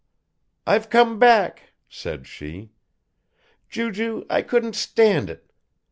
"I've come back," said she. "Ju ju, I couldn't stand it.